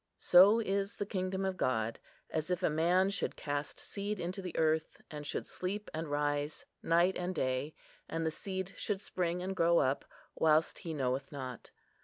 "So is the kingdom of God: as if a man should cast seed into the earth, and should sleep and rise night and day, and the seed should spring and grow up, whilst he knoweth not."